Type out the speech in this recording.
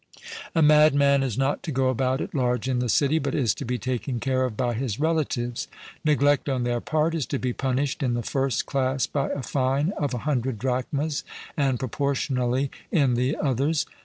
A madman is not to go about at large in the city, but is to be taken care of by his relatives. Neglect on their part is to be punished in the first class by a fine of a hundred drachmas, and proportionally in the others.